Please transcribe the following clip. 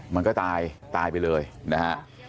มันก็ตายตายไปเลยนะฮะ